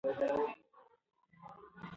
که ته غواړې چې موټر وچلوې نو پوره پام کوه.